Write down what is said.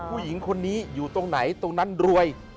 ผู้หญิงคนนี้อยู่ตรงไหนตรงนั้นรวย